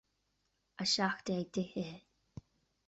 A seacht déag d'fhichithe